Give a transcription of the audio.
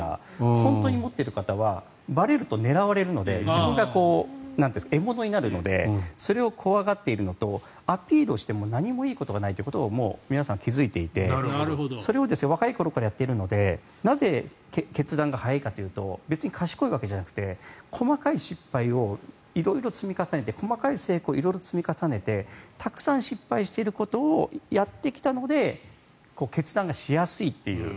本当に持っている方はばれると狙われるので自分が獲物になるのでそれを怖がっているのとアピールをしても何もいいことがないというのに皆さん、気付いていてそれを若い頃からやっているのでなぜ決断が早いかというと別に賢いわけじゃなくて細かい失敗を色々積み重ねて細かい成功を色々積み重ねてたくさん失敗していることをやってきたので決断がしやすいという。